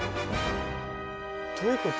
どういうこと？